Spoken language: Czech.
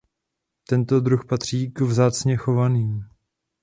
Tento druh patří k vzácně chovaným.